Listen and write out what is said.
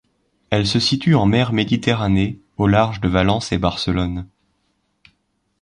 Elle se situe en mer Méditerranée, au large de Valence et Barcelone.